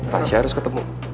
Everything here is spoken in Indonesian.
tasya harus ketemu